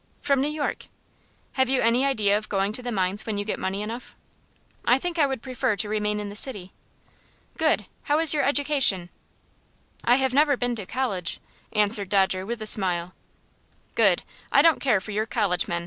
"From New York." "Have you any idea of going to the mines when you get money enough?" "I think I would prefer to remain in the city." "Good! How is your education?" "I have never been to college," answered Dodger, with a smile. "Good! I don't care for your college men.